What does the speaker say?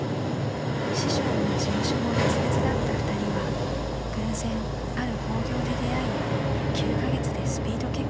［師匠も事務所も別々だった２人は偶然ある興行で出会い９カ月でスピード結婚します］